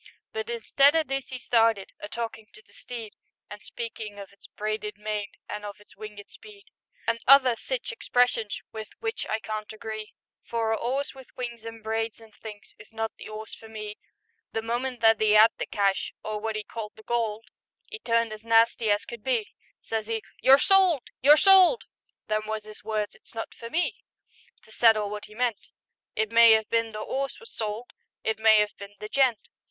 But instead o' this 'e started A talkin' to the steed, And speakin' of its "braided mane" An' of its "winged speed," And other sich expressions With which I can't agree, For a 'orse with wings an' braids an' things Is not the 'orse for me. The moment that 'e 'ad the cash — Or wot 'e called the gold, 'E turned as nasty as could be: Says 'e, "You're sold! You're sold!" Them was 'is words; it's not for me To settle wot he meant; It may 'ave been the 'orse was sold, It may 'ave been the gent.